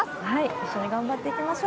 一緒に頑張っていきましょう。